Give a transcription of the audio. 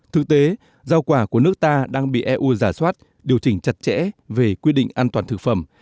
thực tế giao quả của nước ta đang bị eu giả soát điều chỉnh chặt chẽ về quy định an toàn thực phẩm